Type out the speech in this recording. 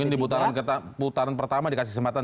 di putaran pertama dikasih kesempatan